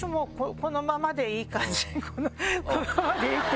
このままでいいって。